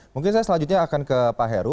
mungkin saya selanjutnya akan ke pak heru